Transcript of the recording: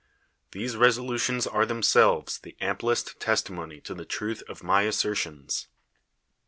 These ^solutions are themselves the amplest testimony to the truth of my assertions.